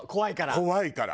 怖いから。